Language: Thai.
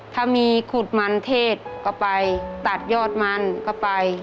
ถ้ามีขุดมันเทศก็ไปตัดยอดมันก็ไป